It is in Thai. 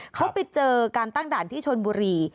เขาไปเจอการตั้งด่านที่ชนบุรี